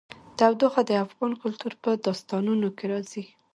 تودوخه د افغان کلتور په داستانونو کې راځي.